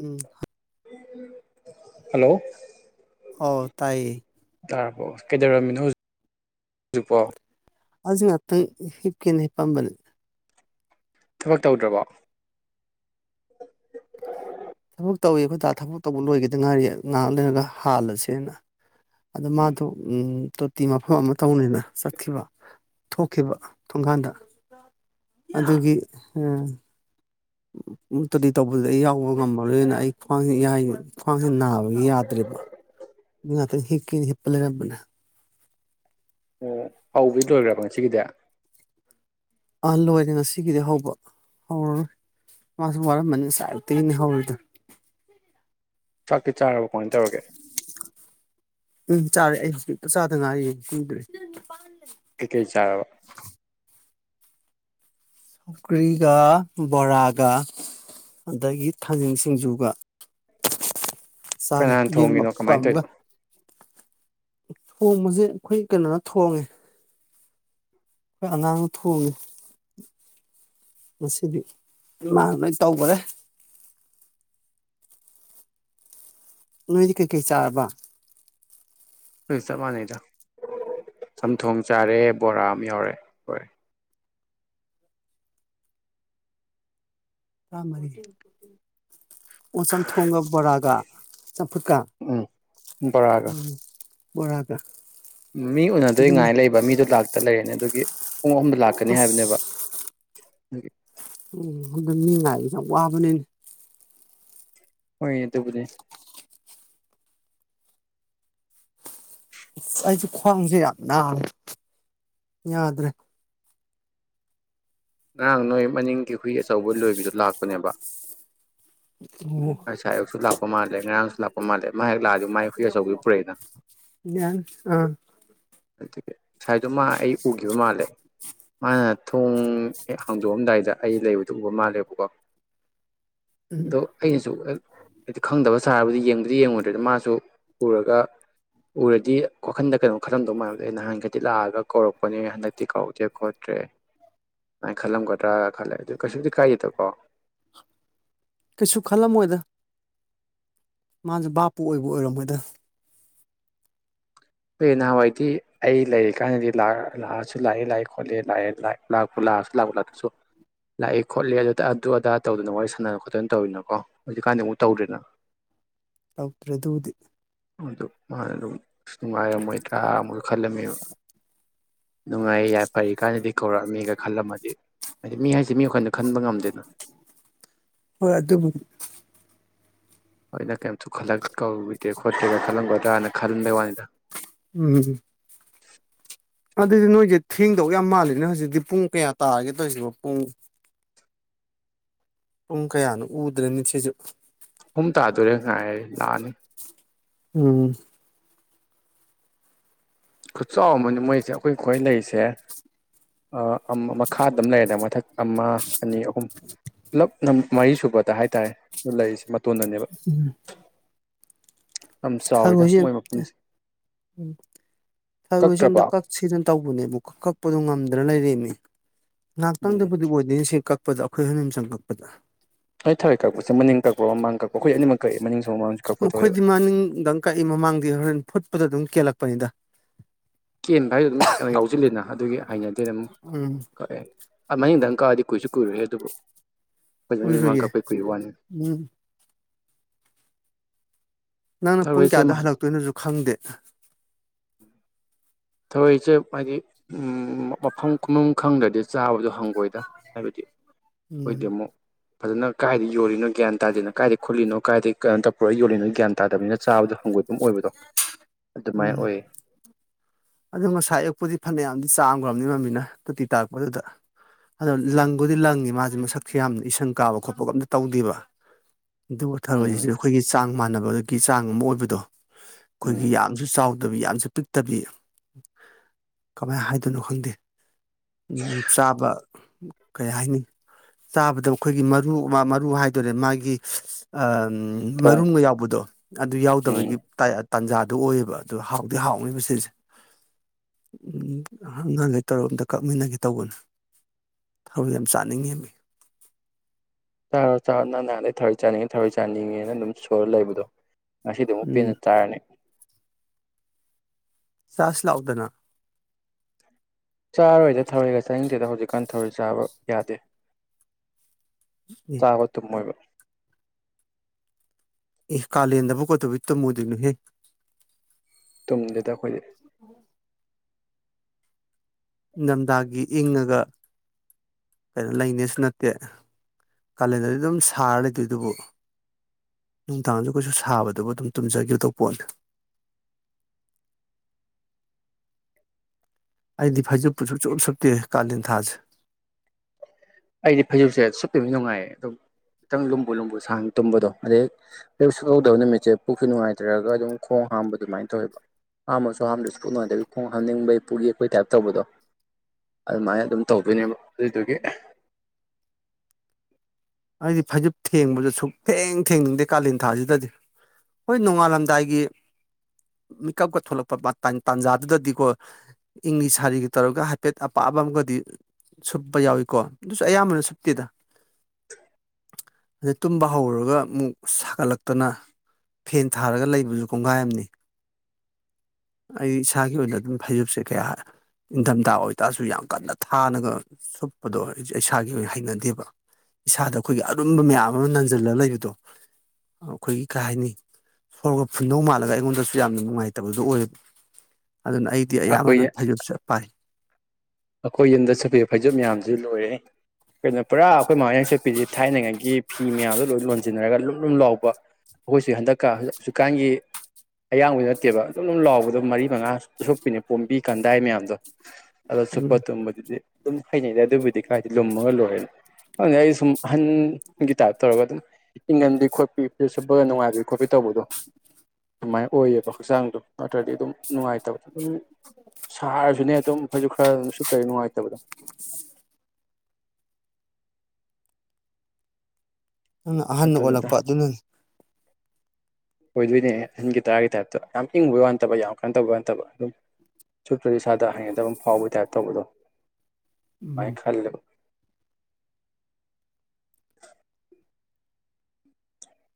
ꯎꯝ hello! ꯑꯣ ꯇꯥꯏꯌꯦ꯫ ꯇꯥꯔꯕꯣ? ꯀꯩꯗꯧꯔꯝꯃꯤꯅꯣ ꯍꯧꯖꯤꯛ ꯍꯧꯖꯤꯛꯄꯣ꯫ ꯑꯁꯤ ꯉꯥꯛꯇꯪ ꯍꯤꯞꯀꯦꯅ ꯍꯤꯞꯄꯝꯕꯅꯦ꯫ ꯊꯕꯛ ꯇꯧꯗ꯭ꯔꯕꯣ? ꯊꯕꯛ ꯇꯧꯋꯤ ꯑꯩꯈꯣꯏ ꯗꯥ ꯊꯕꯛ ꯇꯧꯕ ꯂꯣꯏꯒꯦꯗ ꯉꯥꯏꯔꯤ ꯉꯥꯏꯍꯥꯛ ꯂꯩꯔꯒ ꯍꯥꯜꯂꯁꯦꯅ꯫ ꯑꯗ ꯃꯥꯗꯣ ꯎꯝ ꯇꯣꯇꯤ ꯃꯐꯝ ꯑꯃ ꯇꯧꯅꯤꯅ ꯆꯠꯈꯤꯕ꯫ ꯊꯣꯛꯈꯤꯕ ꯊꯣꯡꯒꯥꯟꯗ ꯑꯗꯨꯒꯤ, ꯇꯣꯇꯤ ꯇꯧꯕꯗꯨꯗꯤ ꯑꯩ ꯌꯥꯎꯕ ꯉꯝꯃꯔꯣꯏꯅ ꯑꯩ ꯈ꯭ꯨꯋꯥꯡ ꯈ꯭ꯨꯋꯥꯡꯁꯤ ꯅꯥꯕ꯫ ꯌꯥꯗ꯭ꯔꯦꯕ ꯑꯗꯨ ꯉꯇꯪ ꯍꯤꯞꯀꯦꯅ ꯍꯤꯞꯄ ꯂꯩꯔꯝꯕꯅꯦ꯫ ꯑꯣ ꯐꯥꯎꯕꯤ ꯂꯣꯏꯈ꯭ꯔꯕ ꯉꯁꯤꯒꯤꯗꯤ? ꯑ ꯂꯣꯏꯔꯦ ꯉꯁꯤꯒꯤꯗꯤ ꯍꯧꯕ, ꯍꯧꯔꯔꯣꯏ ꯃꯥꯁꯨ ꯋꯥꯔꯝꯃꯅꯤ ꯉꯁꯥꯏ ꯑꯌꯨꯛꯇꯒꯤꯅꯤ ꯍꯧꯔꯤꯗꯣ꯫ ꯆꯥꯛꯇꯤ ꯆꯔꯕꯣ? ꯀꯃꯥꯏꯅ ꯇꯧꯔꯒꯦ꯫ ꯎꯝ ꯆꯥꯔꯦ꯫ ꯑꯩ ꯍꯨꯖꯤꯛꯇ ꯆꯥꯗ ꯉꯥꯏꯔꯤ ꯀꯨꯏꯗ꯭ꯔꯤ꯫ ꯀꯩ ꯀꯩ ꯆꯥꯔꯕ? ꯁꯧꯒ꯭ꯔꯤꯒ, ꯕꯣꯔꯥꯒ, ꯑꯗꯒꯤ ꯊꯥꯖꯤꯡ ꯁꯤꯡꯖꯨꯒ꯫ ꯆꯥꯔꯦ ꯀꯅꯥꯅ ꯌꯦꯔꯨꯝ ꯊꯣꯡꯉꯤꯅꯣ ꯑꯐꯨꯠꯄ ꯀꯃꯥꯏꯅ ꯑꯃꯒ ꯇꯧꯔꯤꯅꯣ꯫ ꯊꯣꯡꯕꯁꯦ ꯑꯩꯈꯣꯏ ꯀꯩꯅꯣꯅ ꯊꯣꯡꯉꯦ꯫ ꯑꯉꯥꯡꯅ ꯊꯣꯡꯉꯦ꯫ ꯉꯁꯤꯗꯤ ꯃꯥꯅ ꯂꯣꯏ ꯇꯧꯈꯔꯦ꯫ ꯅꯣꯏꯗꯤ ꯀꯩꯀꯩ ꯆꯥꯔꯕ? ꯆꯞ ꯃꯥꯟꯅꯩꯗ ꯆꯝꯊꯣꯡ ꯆꯥꯔꯦ, ꯕꯣꯔꯥ ꯑꯃ ꯌꯥꯎꯔꯦ ꯂꯣꯏꯔꯦ꯫ ꯇꯔꯥꯃꯔꯤ꯫ ꯑꯣ ꯆꯝꯊꯣꯡꯒ, ꯕꯣꯔꯥꯒ, ꯆꯝꯐꯨꯠꯀ ꯎꯝ ꯕꯣꯔꯥꯒ ꯎꯝ, ꯕꯣꯔꯒ ꯃꯤ ꯎꯅꯗꯣꯏ ꯉꯥꯏ ꯂꯩꯕ ꯃꯤꯗꯣ ꯂꯥꯛꯇ ꯂꯩꯔꯦꯅꯦ, ꯑꯗꯨꯒꯤ ꯄꯨꯡ ꯑꯍꯨꯝꯗ ꯂꯥꯛꯀꯅꯤ ꯍꯥꯏꯕꯅꯦꯕ꯫ ꯑꯁ [unintelligible] ꯎꯝ ꯑꯗꯨ ꯃꯤ ꯉꯥꯏꯕꯁꯦ ꯌꯥꯝ ꯋꯥꯕꯅꯤꯅꯦ꯫ ꯍꯣꯏ ꯑꯗꯨꯕꯨꯗꯤ꯫ ꯑꯩꯁꯨ ꯈ꯭ꯋꯥꯡꯁꯦ ꯌꯥꯝ ꯅꯥꯔꯦ ꯌꯥꯗ꯭ꯔꯦ꯫ ꯉꯔꯥꯡ ꯅꯣꯏ ꯃꯅꯤꯡꯒꯤ ꯍꯨꯏ ꯑꯆꯧꯕ ꯂꯣꯏꯕꯤꯗꯣ ꯂꯥꯛꯄꯅꯦꯕ꯫ [unintelligible] ꯉꯁꯥꯏ ꯑꯌꯨꯛꯁꯨ ꯂꯥꯛꯄ ꯃꯥꯜꯂꯦ ꯉꯔꯥꯡꯁꯨ ꯂꯞꯄ ꯃꯥꯜꯂꯦ ꯃꯥ ꯍꯦꯛ ꯂꯥꯛꯑꯗꯤ ꯃꯥꯥꯏ ꯍꯨꯏ ꯑꯆꯧꯕꯤ ꯄꯨꯔꯛꯏꯅ꯫ ꯌꯥꯅꯤ ꯑꯥ ꯑꯗꯨꯒꯤ ꯉꯁꯥꯏꯗꯣ ꯃꯥ ꯑꯩ ꯎꯈꯤꯕ ꯃꯥꯜꯂꯦ꯫ ꯃꯥꯅ ꯊꯣꯡ ꯍꯦꯛ ꯍꯥꯡꯗꯣꯛꯑꯝꯗꯥꯏꯗ ꯑꯩ ꯂꯩꯕꯗꯨ ꯎꯕ ꯃꯥꯜꯂꯦꯕꯀꯣ꯫ ꯎꯝ ꯗꯣ ꯑꯩꯅꯁꯨ ꯍꯦꯛ ꯈꯪꯗꯕ ꯁꯥꯔꯒꯥ ꯌꯦꯡꯕꯗꯤ ꯌꯦꯡꯉꯨꯗ꯭ꯔꯦꯗ ꯃꯥꯁꯨ ꯎꯔꯒ, ꯎꯔꯗꯤ ꯋꯥꯈꯟꯗ ꯀꯩꯅꯣ ꯈꯜꯂꯝꯗꯧ ꯃꯟꯕ ꯑꯩ ꯅꯍꯥꯟ ꯈꯩꯗꯤ ꯂꯥꯛꯑꯒ ꯀꯧꯔꯛꯄꯅꯦ ꯍꯟꯗꯛꯇꯤ ꯀꯧꯔꯛꯇꯦ ꯈꯣꯠ ꯇ꯭ꯔꯦ ꯑꯗꯨꯃꯥꯏꯅ ꯈꯜꯂꯝꯒꯗ꯭ꯔꯥꯒ ꯈꯜꯂꯦ ꯑꯗꯨ ꯀꯩꯁꯨꯕꯨꯗꯤ ꯀꯥꯏꯗꯦꯗꯀꯣ꯫ ꯀꯩꯁꯨ ꯈꯜꯂꯝꯃꯣꯏꯗ꯫ ꯃꯥꯖꯨ ꯕꯥꯞꯄꯨ ꯑꯣꯏꯕꯨ ꯑꯣꯏꯔꯝꯃꯣꯏꯗ ꯑꯦ ꯅꯍꯥꯟꯋꯥꯏꯗꯤ ꯑꯩ ꯂꯩꯔꯤꯀꯥꯟꯗꯗꯤ ꯂꯥꯛꯑꯁꯨ ꯂꯥꯛꯑꯦ ꯂꯥꯏꯑꯦ ꯈꯣꯠꯂꯦ ꯂꯥꯛꯑꯦ ꯂꯥꯏ ꯂꯥꯛꯄꯨ ꯂꯥꯛꯑꯁꯨ ꯂꯥꯛꯄꯨ ꯂꯥꯛꯇꯔꯁꯨ ꯂꯥꯛꯑꯦ ꯈꯣꯠꯂꯦ ꯑꯗꯨꯗ ꯑꯗꯨ ꯑꯗꯥ ꯇꯧꯗꯅ ꯋꯥꯔꯤ ꯁꯥꯟꯅ ꯈꯣꯠꯇꯅ ꯇꯧꯔꯤꯅꯀꯣ ꯍꯧꯖꯤꯛꯀꯥꯟꯗꯤ ꯑꯃꯨꯛ ꯇꯧꯗ‍꯭ꯔꯦꯅ ꯇꯧꯗ꯭ꯔꯦ ꯑꯗꯨꯕꯨꯗꯤ ꯑꯗꯨ ꯃꯥꯅ ꯑꯗꯨꯝ ꯑꯁ ꯅꯨꯡꯉꯥꯏꯔꯝꯃꯣꯏꯗ꯭ꯔꯥ ꯑꯃꯨꯛꯀꯥ ꯈꯜꯂꯝꯃꯦꯕ ꯅꯨꯡꯉꯥꯏ ꯌꯥꯏꯐꯔꯤ ꯀꯥꯟꯗꯗꯤ ꯀꯧꯔꯛꯑꯃꯤꯒ ꯈꯜꯂꯝꯃꯗꯤ ꯍꯥꯏꯗꯤ ꯃꯤ ꯍꯥꯏꯁꯤ ꯃꯤ ꯋꯥꯈꯜꯗꯤ ꯈꯟꯕ ꯉꯝꯗꯦꯗꯅ ꯍꯣꯏ ꯑꯗꯨꯕꯨꯗꯤ ꯑꯩꯅ ꯀꯔꯤꯝꯇ ꯈꯜꯂꯛ ꯀꯧꯒꯦ ꯈꯣꯠꯀꯦꯒꯥꯏꯅ ꯈꯜꯂꯝꯒꯗ꯭ꯔꯥꯅ ꯈꯜꯂꯝꯕꯩ ꯋꯥꯅꯤꯗ ꯎꯝ ꯑꯗꯨꯗꯤ ꯅꯣꯏꯁꯦ ꯊꯦꯡꯗꯧ ꯌꯥꯝ ꯃꯥꯜꯂꯤꯗꯅ ꯍꯧꯖꯤꯛꯇꯤ ꯄꯨꯡ ꯀꯌꯥ ꯇꯥꯔꯒꯦ ꯇꯧꯔꯤꯁꯤꯕꯣ ꯄꯨꯡ ꯄꯨꯡ ꯀꯌꯥꯅꯣ ꯎꯗ꯭ꯔꯦ ꯃꯤꯠꯁꯤꯁꯨ ꯍꯨꯝ ꯇꯥꯗꯣꯔꯦ ꯉꯥꯏꯔꯦ ꯂꯥꯛꯑꯅꯤ ꯎꯝ ꯈꯨꯠ ꯆꯥꯎ ꯑꯃꯅꯤꯅꯦ ꯃꯣꯏꯁꯦ ꯑꯩꯈꯣꯏ ꯈ꯭ꯋꯥꯏ ꯂꯩꯔꯤꯁꯦ ꯑꯥ ꯑꯝ ꯃꯈꯥꯗꯃ ꯂꯩꯔꯦꯅꯦ ꯃꯊꯛ ꯑꯃ ꯑꯅꯤ ꯑꯍꯨꯝ ꯄꯨꯂꯞꯅ ꯃꯔꯤ ꯁꯨꯕꯗ ꯍꯥꯏꯇꯥꯔꯦ ꯂꯩꯔꯤꯁꯦ ꯃꯇꯣꯟꯗꯅꯦꯕ ꯎꯝ ꯌꯥꯝ ꯆꯥꯎꯋꯤꯗ ꯊꯔꯣꯏꯁꯦ ꯃꯣꯏ ꯃꯐꯝꯁꯦ ꯎꯝ ꯊꯔꯣꯏꯁꯦ ꯑꯝꯇ ꯀꯛꯇ꯭ꯔꯕ ꯀꯛ ꯁꯤꯅ ꯇꯧꯕꯅꯦꯕꯀꯣ ꯀꯛꯄꯗꯣ ꯉꯝꯗꯅ ꯂꯩꯔꯦꯃꯤ ꯎꯝ ꯉꯥꯏꯍꯥꯛꯇꯪꯗꯕꯨꯗꯤ ꯑꯣꯏꯗꯣꯏꯅꯤꯁꯦ ꯀꯛ ꯄꯗ ꯑꯩꯈꯣꯏꯅꯤ ꯑꯍꯨꯝ ꯆꯪ ꯀꯛꯄꯗ ꯅꯣꯏ ꯊꯔꯦꯏ ꯀꯛꯄꯁꯦ ꯃꯅꯤꯡ ꯀꯛꯄ꯭ꯔꯣ ꯃꯥꯡ ꯀꯛꯄ꯭ꯔꯣ ꯈꯣꯏ ꯑꯅꯤꯃꯛ ꯀꯛꯏ ꯃꯅꯤꯡꯁꯨ ꯃꯃꯥꯡꯁꯨ ꯀꯛꯄꯥꯊꯣꯛꯑꯦꯕ ꯗꯪ ꯀꯛꯏ ꯃꯃꯥꯡꯗꯤ ꯍꯣꯔꯦꯟ ꯐꯨꯠꯄꯗ ꯑꯗꯨꯝ ꯀꯦꯜꯂꯛꯄꯅꯤꯗ ꯀꯦꯟꯕ ꯍꯥꯏꯁꯨ ꯑꯗꯨꯝ ꯀꯩꯅꯣ ꯌꯥꯎꯁꯤꯜꯂꯤꯅ ꯑꯗꯨꯒꯤ ꯍꯩꯅꯗꯦꯅ ꯑꯃꯨꯛ ꯎꯝ ꯀꯥꯛꯑꯦ ꯑꯥ ꯃꯅꯤꯡꯗꯪ ꯀꯥꯛꯑꯗꯤ ꯀꯨꯏꯁꯨ ꯀꯨꯏꯔꯣꯏꯍꯦ ꯑꯗꯨꯕꯨ ꯈꯣꯏꯗꯤ ꯃꯅꯤꯡ ꯃꯃꯥꯡ ꯀꯨꯏꯔꯣꯏꯌꯦ ꯀꯛꯄꯩ ꯀꯨꯏꯕꯩ ꯋꯥꯅꯤ ꯎꯝ ꯅꯪꯅ ꯄꯨꯡ ꯊꯔꯣꯏꯁꯦ ꯀꯌꯥꯗ ꯍꯜꯂꯛꯇꯣꯏꯅꯣꯁꯨ ꯈꯪꯗꯦ ꯊꯧꯔꯣꯏꯁꯦ ꯃꯥꯗꯤ ꯎꯝ ꯃꯐꯝ ꯈꯨꯐꯝ ꯈꯪꯗ꯭ꯔꯗꯤ ꯆꯥꯕꯗꯣ ꯍꯪꯕꯣꯏꯗ ꯍꯥꯏꯕꯗꯤ ꯎꯝ ꯈꯣꯏꯗꯤ ꯑꯃꯨꯛ ꯐꯖꯅ ꯀꯥꯏꯗꯩ ꯌꯣꯜꯂꯤꯅꯣ ꯒ꯭ꯌꯥꯟ ꯇꯥꯗꯦꯅ ꯀꯥꯏꯗꯩ ꯈꯨꯠꯂꯤꯅꯣ ꯀꯥꯏꯗꯩ ꯀꯟꯇ ꯄꯨꯔꯛꯒ ꯌꯣꯜꯂꯤꯅꯣ ꯒ꯭ꯌꯥꯟ ꯇꯥꯗꯅꯤꯅ ꯆꯥꯕꯗꯣ ꯍꯪꯒꯣꯏꯕ ꯑꯃ ꯑꯣꯏꯕꯗꯣ ꯑꯗꯨꯃꯥꯏꯅ ꯑꯣꯏꯌꯦ ꯑꯗꯨ ꯉꯁꯥꯏ ꯑꯌꯨꯛꯄꯨꯗꯤ ꯐꯅꯌꯥꯝꯗꯤ ꯆꯥꯝꯈ꯭ꯔꯕꯅꯤ ꯃꯝꯃꯤꯅ ꯇꯣꯇꯤ ꯇꯥꯛꯔꯛꯄꯗꯨꯗ ꯑꯗꯣ ꯂꯪꯕꯨꯗꯤ ꯂꯪꯏ ꯃꯥꯁꯦ ꯃꯁꯛꯁꯦ ꯌꯥꯝꯅ ꯏꯁꯪ ꯀꯥꯕ ꯈꯣꯠꯄꯒ ꯑꯝꯇ ꯇꯧꯗꯦꯕ ꯑꯗꯨꯕꯨ ꯊꯔꯣꯏꯖꯦ ꯎꯝ ꯑꯩꯈꯣꯏꯒꯤ ꯆꯥꯡ ꯃꯥꯟꯅꯕꯒꯤ ꯆꯥꯡ ꯑꯃ ꯑꯣꯏꯕꯗꯣ ꯑꯩꯈꯣꯏꯒꯤ ꯎꯝ ꯌꯥꯝꯁꯨ ꯆꯥꯎꯗꯕꯤ ꯌꯥꯝꯁꯨ ꯄꯤꯛꯇꯕꯤ ꯀꯃꯥꯏꯅ ꯍꯥꯏꯗꯣꯏꯅꯣ ꯈꯪꯗꯦ ꯎꯝ ꯆꯥꯕ ꯀꯩ ꯍꯥꯏꯅꯤ ꯆꯥꯕꯗ ꯑꯩꯈꯣꯏꯒꯤ ꯃꯔꯨ ꯃꯥ ꯃꯔꯨ ꯍꯥꯏꯗꯔꯦ ꯃꯥꯒꯤ ꯑꯥ ꯊꯣꯡ ꯃꯔꯨꯝꯒ ꯌꯥꯎꯕꯗꯣ ꯑꯗꯨ ꯌꯥꯎꯗꯕꯒꯤ ꯎꯝ ꯇꯥꯏ ꯇꯥꯟꯖꯥꯗꯨ ꯑꯣꯏꯌꯦꯕ ꯑꯗꯨ ꯍꯥꯎꯗꯤ ꯍꯥꯎꯅꯦꯕ ꯁꯤꯁꯦ ꯎꯝ ꯑꯉꯥꯡꯈꯩ ꯇꯧꯔ ꯑꯝꯇ ꯀꯛꯃꯤꯟꯅꯒꯦ ꯇꯧꯕꯅꯤ ꯊꯔꯣꯏ ꯌꯥꯝ ꯆꯥꯅꯤꯡꯉꯦꯃꯦ ꯆꯥꯔꯣ ꯆꯥꯔꯣ ꯅꯪ ꯅꯍꯥꯟꯗꯩ ꯊꯔꯣꯏ ꯆꯥꯅꯤꯡꯉꯦ ꯊꯔꯣꯏ ꯆꯥꯅꯤꯡꯉꯦꯅ ꯑꯗꯨꯝ ꯁꯣꯟꯂ ꯂꯩꯕꯗꯣ ꯉꯁꯤꯗꯤ ꯑꯃꯨꯛ ꯄꯦꯟꯅ ꯎꯝ ꯆꯥꯔꯅꯤ ꯆꯥꯁꯤ ꯂꯥꯛꯎꯗꯅ ꯆꯥꯔꯣꯏꯗ ꯊꯔꯣꯏꯒ ꯆꯅꯤꯡꯗꯦꯗ ꯍꯧꯖꯤꯛꯀꯥꯟ ꯊꯔꯣꯏ ꯆꯥꯕ ꯌꯥꯗꯦ ꯑꯦ ꯆꯥꯕ ꯇꯨꯝꯃꯣꯏꯕ ꯑꯦ ꯀꯥꯂꯦꯟꯗꯕꯨ ꯀꯇꯧꯕꯒꯤ ꯇꯨꯝꯃꯣꯏꯗꯣꯏꯅꯣ ꯍꯦ ꯇꯨꯝꯗꯦꯗ ꯑꯩꯈꯣꯏꯗꯤ ꯅꯤꯡꯊꯝꯊꯥꯒꯤ ꯏꯪꯉꯒ ꯂꯩꯅꯦꯁꯨ ꯅꯠꯇꯦ ꯀꯥꯂꯦꯟꯗꯗꯤ ꯑꯗꯨꯝ ꯁꯥꯔ ꯂꯩꯗꯣꯏ ꯑꯗꯨꯕꯨ ꯅꯨꯡꯗꯥꯡꯁꯨ ꯀꯩꯁꯨ ꯁꯥꯕꯗꯕꯨ ꯑꯗꯨꯝ ꯇꯨꯝꯖꯒꯦꯇꯣꯞꯄꯣꯟꯅꯦ ꯑꯩꯗꯤ ꯐꯥꯏꯖꯄꯁꯨ ꯁꯨꯡꯁꯨꯞꯁꯨꯞꯠꯇꯦ ꯀꯥꯂꯦꯟ ꯊꯥꯁꯦ ꯑꯩꯗꯤ ꯐꯩꯖꯨꯞꯁꯦ ꯁꯨꯞꯄꯤꯕꯗꯤ ꯅꯨꯡꯉꯥꯏꯌꯦ ꯑꯗꯨꯝ ꯈꯤꯇꯪ ꯂꯨꯝꯕꯨ ꯂꯨꯝꯕꯨ ꯁꯥ ꯇꯨꯝꯕꯗꯣ ꯑꯗꯩ ꯄ ꯁꯨꯍꯧꯗꯕ ꯅꯨꯃꯤꯠꯁꯦ ꯄꯨꯛꯁꯨ ꯅꯨꯡꯉꯥꯏꯇ꯭ꯔꯒ ꯑꯗꯨꯝ ꯈꯣꯡ ꯍꯥꯝꯕ ꯑꯗꯨꯃꯥꯏꯅ ꯇꯧꯋꯦꯕ ꯍꯥꯥꯝꯁꯨ ꯍꯥꯝꯗꯁꯨ ꯄꯨꯣꯛ ꯅꯨꯡꯉꯥꯏꯗꯕ ꯈꯣꯡ ꯍꯥꯝꯅꯤꯡꯕꯩ ꯄꯨꯒꯤ ꯑꯩꯈꯣꯏ ꯇꯥꯏꯞ ꯇꯧꯕꯗꯣ ꯑꯗꯨꯃꯥꯏꯅ ꯑꯗꯨꯝ ꯇꯧꯗꯣꯏꯅꯦꯕ ꯑꯗꯨꯏꯗꯨꯒꯤ ꯑꯩꯗꯤ ꯐꯩꯖꯤ ꯊꯦꯡꯕꯁꯨ ꯁꯨꯛ ꯊꯦꯡ ꯊꯦꯡꯅꯤꯡꯗꯦ ꯀꯥꯂꯦꯟ ꯊꯥꯁꯤꯗꯗꯤ ꯍꯣꯏ ꯅꯣꯡꯉꯥꯜꯂꯝꯗꯥꯏꯒꯤ ꯃꯤꯀꯞꯀ ꯊꯣꯛꯂꯛꯄ ꯇꯥꯟꯖꯥꯗꯨꯗꯗꯤꯀꯣ ꯏꯪꯂꯤ ꯁꯥꯔꯤꯒ ꯇꯧꯔꯒ ꯍꯥꯏꯐꯦꯠ ꯑꯄꯥꯕ ꯑꯃꯒꯗꯤ ꯁꯨꯞꯄ ꯌꯥꯎꯏꯀꯣ ꯑꯗꯨꯁꯨ ꯑꯌꯥꯝꯕꯅ ꯁꯨꯞꯇꯦꯗ ꯑꯗꯩ ꯇꯨꯝꯕ ꯍꯧꯔꯒ ꯑꯃꯨꯛ ꯁꯥꯒꯠꯂꯛꯇꯅ ꯐꯦꯟ ꯊꯥꯔꯒ ꯂꯩꯕꯁꯨ ꯀꯣꯡꯒꯥꯏ ꯑꯃꯅꯤ ꯑꯩ ꯏꯁꯥꯒꯤ ꯑꯣꯏꯅ ꯑꯗꯨꯝ ꯐꯩꯖꯨꯕꯁꯦ ꯀꯌꯥ ꯏꯟꯊꯝꯊꯥ ꯑꯣꯏꯇꯥꯔꯁꯨ ꯌꯥꯝ ꯀꯟꯅ ꯊꯥꯅꯒ ꯁꯨꯞꯄꯗꯣ ꯏꯁꯥꯒꯤ ꯑꯣꯏꯅ ꯍꯩꯅꯗꯦꯕ ꯏꯁꯥꯗ ꯑꯩꯈꯣꯏꯒꯤ ꯑꯔꯨꯝꯕ ꯃꯌꯥꯝ ꯑꯃ ꯅꯟꯁꯤꯜꯂꯒ ꯂꯩꯕꯗꯣ ꯑꯩꯈꯣꯏꯒꯤ ꯀꯩ ꯍꯥꯏꯅꯤ ꯁꯣꯔꯒ ꯐꯨꯗꯧ ꯃꯥꯜꯂꯒ ꯑꯩꯉꯣꯟꯗꯁꯨ ꯌꯥꯝꯅ ꯅꯨꯡꯉꯥꯏꯇꯕꯗꯨ ꯑꯣꯏꯕ ꯑꯗꯨꯅ ꯑꯩꯗꯤ ꯑꯩꯈꯣꯏ ꯑꯌꯥꯝꯕꯅ ꯐꯩꯖꯨꯞꯁꯦ ꯄꯥꯏ ꯑꯩꯈꯣꯏ ꯌꯨꯝꯗ ꯁꯨꯞꯄꯤꯕ ꯐꯩꯖꯨꯞ ꯃꯌꯥꯝꯁꯨ ꯂꯣꯏꯔꯦ ꯀꯩꯅꯣ ꯄꯨꯔꯥ ꯑꯩꯈꯣꯏ ꯃꯃꯥꯏꯅ ꯁꯨꯄꯤꯁꯦ ꯊꯥꯏꯅꯉꯥꯏ ꯒꯤ ꯐꯤ ꯃꯌꯥꯝꯗꯣ ꯂꯣꯏ ꯂꯣꯟꯁꯤꯟꯅꯔꯒ ꯂꯨꯝ ꯂꯨꯝ ꯂꯥꯎꯕ ꯑꯩꯈꯣꯏꯁꯨ ꯍꯟꯗꯛꯀ ꯍꯧꯖꯤꯛꯀꯥꯟꯒꯤ ꯑꯌꯥꯡꯕꯩ ꯅꯠꯇꯦꯕ ꯑꯗꯨꯝ ꯑꯗꯨꯝ ꯂꯥꯎꯕꯗꯣ ꯃꯔꯤ ꯃꯉꯥ ꯆ ꯁꯣꯛꯄꯤꯅꯦ ꯄꯣꯝꯕꯤ ꯀꯟꯗꯥꯏ ꯃꯌꯥꯝꯗꯣ ꯑꯗꯣ ꯁꯨꯞꯄ ꯎꯝ ꯇꯨꯝꯕꯗꯨꯗꯤ ꯑꯗꯨꯝ ꯍꯩꯅꯩꯗ ꯑꯗꯨꯕꯨꯗꯤ ꯀꯥꯏꯗꯤ ꯂꯨꯝꯃꯒ ꯂꯣꯏꯔꯦꯅ ꯑꯗꯨ ꯑꯩ ꯁꯨꯝ ꯑꯍꯟꯒꯤ ꯇꯥꯏꯞ ꯇꯧꯔꯒ ꯑꯗꯨꯝ ꯏꯪ ꯉꯝꯗꯤ ꯈꯣꯠꯄꯤ ꯐꯩꯖꯨꯞ ꯁꯨꯞꯄꯒ ꯅꯨꯡꯉꯥꯏꯕꯤ ꯈꯣꯠꯄꯤ ꯇꯧꯕꯗꯣ ꯑꯗꯨꯃꯥꯏꯅ ꯑꯣꯏꯌꯦꯕ ꯍꯛꯆꯥꯡꯗꯣ ꯅꯠꯇ꯭ꯔꯗꯤ ꯑꯗꯨꯝ ꯅꯨꯡꯉꯥꯏꯇꯕꯗ ꯑꯗꯨꯝ ꯁꯥꯔꯁꯨꯅꯦ ꯑꯗꯨꯝ ꯐꯁꯨ ꯈꯔ ꯑꯗꯨꯝ ꯁꯠꯇꯔꯤ ꯅꯨꯡꯉꯥꯏꯇꯕꯗꯣ ꯅꯪꯅ ꯑꯍꯟꯅ ꯑꯗꯨꯅꯤꯗ ꯑꯣꯜꯂꯛꯄ ꯑꯗꯨꯅꯅꯤ [inaudible] ꯑꯣꯏꯗꯣꯏꯅꯦꯍꯦ ꯑꯍꯟꯒꯤ ꯇꯔꯥꯒꯤ ꯇꯥꯏꯞꯇ ꯌꯥꯝ ꯏꯪꯉꯨꯕꯩ ꯋꯥ ꯅꯠꯇꯕ ꯌꯥꯝ ꯀꯟꯅꯣ ꯇꯧꯕꯩ ꯋꯥ ꯅꯠꯇꯕ ꯑꯗꯨꯝ ꯁꯨꯞꯇ꯭ꯔꯗꯤ ꯏꯁꯥꯗ ꯍꯩꯅꯗꯕꯝ ꯐꯥꯎꯕꯩ ꯇꯥꯏꯞꯇ ꯇꯧꯕꯗꯣ ꯎꯝ ꯑꯗꯨꯃꯥꯏꯅ ꯈꯜꯂꯦꯕ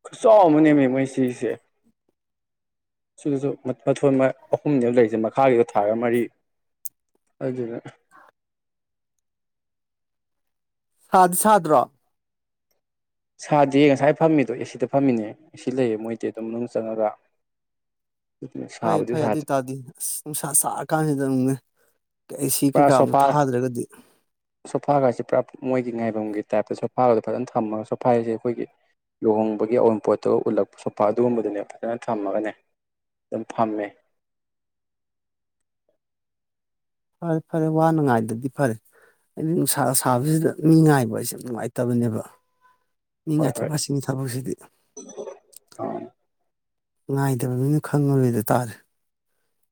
ꯈꯨꯠꯆꯥꯎ ꯑꯃ ꯅꯦꯝꯃꯦ ꯃꯣꯏ ꯁꯤꯁꯦ ꯁꯤꯗꯖꯨ ꯃ ꯃꯊꯣꯜ ꯃꯥ ꯑꯍꯨꯝꯅꯦꯕ ꯂꯩꯔꯤꯖꯦ ꯃꯈꯥꯒꯤꯗꯣ ꯊꯥꯔꯒ ꯃꯔꯤ ꯑꯗꯨꯗꯨꯅ ꯁꯥꯗꯤ ꯁꯥꯗ꯭ꯔꯣ ꯁꯥꯗꯦ ꯉꯁꯥꯏ ꯐꯝꯃꯤꯗꯣ ꯑꯦ ꯁꯤꯗ ꯐꯝꯃꯤꯅꯦ ꯑꯦ ꯁꯤ ꯂꯩꯌꯦ ꯃꯣꯏꯗꯤ ꯑꯗꯨꯝ ꯃꯅꯨꯡ ꯆꯪꯉꯒ ꯐꯩ ꯁꯥꯕꯨꯗꯤ ꯐꯩ ꯑꯗꯨꯏ ꯁꯥꯗ꯭ꯔꯦ ꯇꯥꯗꯤ ꯑꯁ ꯅꯨꯡꯁꯥ ꯁꯥꯔ ꯀꯥꯟꯖꯤꯗ ꯑꯃꯨꯛꯅꯦ ꯑꯦ ꯁꯤ ꯀꯩꯀꯥ ꯑꯃꯨꯛ ꯊꯥꯗ꯭ꯔꯒꯗꯤ ꯁꯣꯐꯥꯒꯥꯁꯦ ꯄꯨꯔꯥꯞ ꯃꯣꯏꯒꯤ ꯉꯥꯏꯕꯝꯒꯤ ꯇꯥꯏꯞꯇ ꯁꯣꯐꯥꯒꯥꯗꯣ ꯐꯖꯅ ꯊꯝꯃꯒ ꯁꯣꯐꯥ ꯍꯥꯏꯖꯦ ꯑꯩꯈꯣꯏꯒꯤ ꯂꯨꯍꯣꯡꯕꯒꯤ ꯑꯋꯨꯟꯄꯣꯠꯇꯣ ꯎꯟꯂꯛꯄ ꯁꯣꯐꯥ ꯑꯗꯨꯒꯨꯝꯕꯗꯨꯅꯦ ꯐꯖꯅ ꯊꯝꯃꯒꯅꯦ ꯑꯗꯨꯝ ꯐꯝꯃꯦ ꯐꯔꯦ ꯐꯔꯦ ꯋꯥꯅ ꯉꯥꯏꯗꯗꯤ ꯐꯔꯦ ꯑꯩꯗꯤ ꯅꯨꯡꯁꯥ ꯁꯥꯕꯖꯤꯗ ꯃꯤ ꯉꯥꯏꯕ ꯍꯥꯏꯁꯦ ꯌꯥꯝ ꯅꯨꯡꯉꯥꯏꯇꯕꯅꯦꯕ ꯃꯤ ꯍꯣꯏ ꯉꯥꯏꯊꯣꯛ ꯍꯣꯏ ꯉꯥꯏꯁꯤꯟ ꯊꯕꯛꯁꯤꯗꯤ [inaudible] ꯉꯥꯏꯗꯕ ꯃꯤꯅ ꯈꯪꯉꯔꯣꯏꯗꯣ ꯇꯥꯥꯔꯦ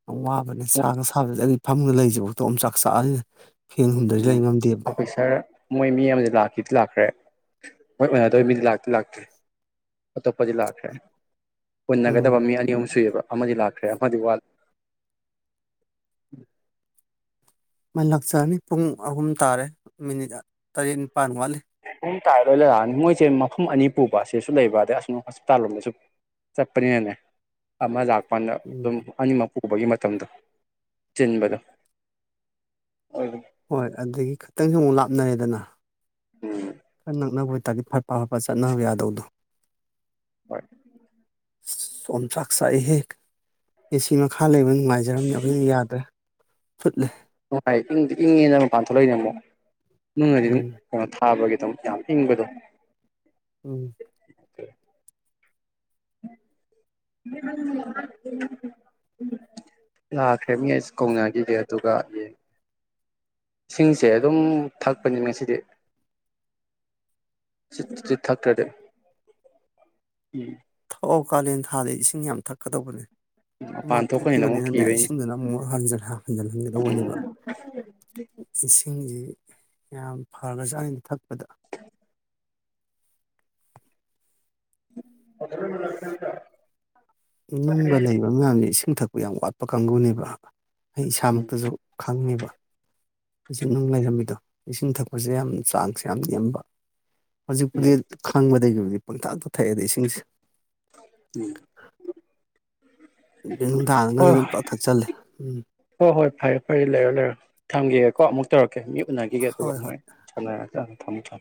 ꯌꯥꯝ ꯋꯥꯕꯅꯦ ꯁꯥꯒ ꯁꯥ ꯊꯥꯕꯖꯤꯗ ꯑꯩꯒꯤ ꯐꯝꯃꯒ ꯂꯩꯕꯖꯤꯐꯥꯎ ꯑꯣꯝꯆꯥꯛ ꯆꯥꯛ ꯑ ꯐꯦꯟ ꯍꯨꯝꯗ꯭ꯔꯗꯤ ꯂꯩ ꯉꯝꯗꯦꯕ ꯄꯦꯁꯔ ꯃꯣꯏ ꯃꯤ ꯑꯃꯗꯤ ꯂꯥꯛꯇꯤ ꯂꯥꯛꯈ꯭ꯔꯦ [unintelligible] ꯃꯤꯗꯤ ꯂꯥꯛꯇꯤ ꯂꯥꯛꯇ꯭ꯔꯤ ꯑꯇꯣꯞꯄꯗꯤ ꯂꯥꯛꯈ꯭ꯔꯦ ꯎꯟꯅꯒꯗꯕ ꯎꯝ ꯃꯤ ꯑꯅꯤ ꯑꯍꯨꯝ ꯁꯨꯏꯌꯦꯕ ꯑꯃꯗꯤ ꯂꯥꯛꯈ꯭ꯔꯦ ꯑꯃꯗꯤ ꯋꯥꯠꯂꯤ ꯃꯥꯏꯅ ꯂꯥꯛꯆꯔꯅꯤ ꯄꯨꯡ ꯑꯍꯨꯝ ꯇꯥꯔꯦ ꯃꯤꯅꯤꯠ ꯇꯔꯦꯠ ꯅꯤꯄꯥꯟ ꯋꯥꯠꯂꯤ ꯄꯨꯡ ꯇꯥꯔꯦ ꯂꯣꯏ ꯂꯥꯛꯑꯅꯤ ꯃꯣꯏꯁꯦ ꯃꯐꯝ ꯑꯅꯤ ꯄꯨꯕ ꯁꯤꯁꯨ ꯂꯩꯕ ꯑꯗꯩ ꯑꯁꯣꯝ ꯍꯣꯁꯄꯤꯇꯥꯜ ꯂꯣꯝꯗꯁꯨ ꯆꯠꯄꯅꯤꯅꯅꯦ ꯑꯃ ꯂꯥꯛꯄꯀꯥꯟꯗ ꯎꯝ ꯑꯗꯨꯝ ꯑꯅꯤꯃꯛ ꯄꯨꯕꯒꯤ ꯃꯇꯝꯗꯣ ꯆꯤꯟꯕꯗꯣ ꯍꯣꯏ ꯑꯗꯨꯗꯒꯤ ꯈꯤꯇꯪꯖꯨ ꯑꯃꯨꯛ ꯂꯥꯞꯅꯔꯦꯗꯅꯥ ꯈꯔ ꯅꯛꯅꯕ ꯑꯣꯏꯇꯥꯗꯤ ꯐꯕꯥ ꯄꯥꯕ ꯆꯠꯅꯕ ꯌꯥꯗꯧꯗꯣ ꯍꯣꯏ ꯑꯁꯁ ꯑꯣꯝꯆꯥꯛ ꯆꯥꯛꯑꯦꯍꯦ ꯑꯦ ꯁꯤ ꯃꯈꯥ ꯂꯩꯕꯅꯤꯅ ꯅꯨꯡꯉꯥꯏꯖꯔꯝꯅꯤ ꯑꯩꯈꯣꯏꯗꯤ ꯌꯥꯗ꯭ꯔꯦ ꯐꯨꯠꯂꯦ ꯅꯨꯡꯉꯥꯏ ꯏꯪꯗꯤ ꯏꯪꯉꯦꯅ ꯃꯄꯥꯟ ꯊꯣꯛꯂꯛꯏꯅꯦ ꯑꯃꯨꯛ ꯃꯅꯨꯡꯗꯗꯤ ꯑꯗꯨꯝ ꯎꯝ ꯀꯩꯅꯣ ꯊꯥꯕꯒꯤ ꯑꯗꯨꯝ ꯌꯥꯝ ꯏꯪꯕꯗꯣ ꯎꯝ [inaudible] ꯂꯥꯛꯈ꯭ꯔꯦ ꯃꯤ ꯑꯩꯁ ꯀꯧꯅꯒꯤꯒꯦ ꯑꯗꯨꯒ ꯏꯁꯤꯡꯁꯦ ꯑꯗꯨꯝ ꯊꯛꯄꯅꯤ ꯉꯁꯤꯗꯤ ꯆꯤꯠ ꯆꯤꯠ ꯆꯤꯠ ꯊꯛꯇ꯭ꯔꯗꯤ ꯎꯝ ꯊꯛꯑꯣ ꯀꯥꯂꯦꯟ ꯊꯥꯗ ꯏꯁꯤꯡ ꯌꯥꯝ ꯊꯛꯀꯗꯧꯕꯅꯦ ꯃꯄꯥꯟ ꯍꯨꯃꯥꯡ ꯊꯣꯛꯄꯅꯤꯅ ꯑꯃꯨꯛ ꯊꯣꯛꯈꯤꯕꯅꯤꯅꯅꯦ ꯀꯤꯕꯩꯅꯤ ꯏꯁꯤꯡꯗꯨꯅ ꯑꯃꯨꯛ ꯍꯟꯖꯟ ꯍꯟꯖꯟꯍꯟꯒꯗꯧꯕꯅꯦꯕ ꯎꯝ ꯏꯁꯤꯡꯖꯤ ꯌꯥꯝ ꯐꯒ꯭ꯔꯖꯥꯠꯅꯤꯗ ꯊꯥꯛꯄꯗ [unintelligible] ꯅꯨꯡꯒ ꯂꯩꯕ ꯃꯌꯥꯝꯖꯦ ꯏꯁꯤꯡ ꯊꯛꯄ ꯌꯥꯝ ꯋꯥꯠꯄ ꯀꯥꯡꯒꯨꯅꯦꯕ ꯑꯩ ꯏꯁꯥꯃꯛꯇꯖꯨ ꯈꯪꯉꯦꯕ ꯏꯁꯤꯡ ꯅꯨꯡ ꯂꯩꯔꯝꯃꯤꯗꯣ ꯏꯁꯤꯡ ꯊꯛꯄꯖꯦ ꯌꯥꯝ ꯆꯥꯡꯁꯦ ꯌꯥꯝ ꯅꯦꯝꯕ ꯍꯧꯖꯤꯛꯄꯨꯗꯤ ꯎꯝ ꯈꯪꯕꯗꯒꯤꯕꯨꯗꯤ ꯄꯪꯊꯛꯇ ꯊꯛꯑꯦꯗ ꯏꯁꯤꯡꯁꯦ ꯎꯝ [unintelligible] ꯑꯗꯨꯝ ꯄꯪꯊꯛ ꯊꯪꯛꯆꯜꯂꯦ ꯎꯝ ꯍꯣ ꯍꯣꯏ ꯐꯔꯦ ꯐꯔꯦ ꯂꯩꯔꯣ ꯂꯩꯔꯣ ꯊꯝꯒꯦ ꯀꯣ ꯑꯃꯨꯛ ꯇꯧꯔꯛꯀꯦ ꯃꯤ ꯎꯅꯒꯤꯒꯦ ꯑꯗꯨꯒ ꯍꯣꯏ ꯍꯣꯏ ꯃꯣꯏ [unintelligible] ꯊꯝꯃꯨ ꯊꯝꯃꯨ